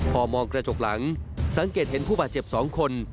พอมองกระจกหลังสังเกตเห็นผู้บาดเจ็บ๒คน